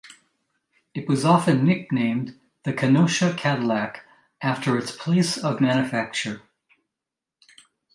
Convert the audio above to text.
It was often nicknamed the "Kenosha Cadillac" after its place of manufacture.